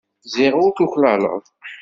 Ziɣ ur tuklaleḍ.